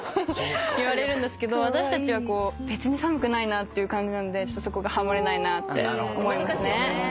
言われるんですけど私たちは別に寒くないなっていう感じなんでそこがハモれないなって思いますね。